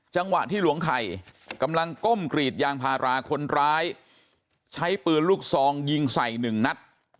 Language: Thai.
จังหวะที่หลวงไข่กำลังก้มกรีดยางพาราคนร้ายใช้ปืนลูกซองยิงใส่หนึ่งนัด